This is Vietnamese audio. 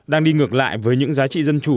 đang đi ngược lại với những giá trị dân chủ